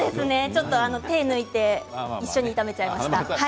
ちょっと手を抜いて一緒に炒めちゃいました。